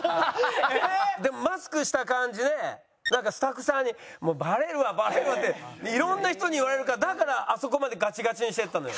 でもマスクした感じでなんかスタッフさんに「バレるわバレるわ」っていろんな人に言われるからだからあそこまでガチガチにしていったのよ。